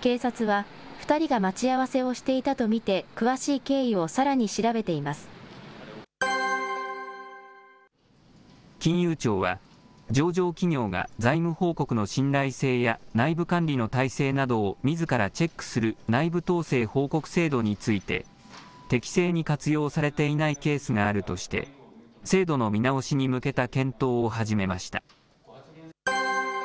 警察は、２人が待ち合わせをしていたと見て、詳しい経緯をさらに調べてい金融庁は、上場企業が財務報告の信頼性や内部管理の体制などをみずからチェックする内部統制報告制度について、適正に活用されていないケースがあるとして、制度の見直しに向けた検討を始めました。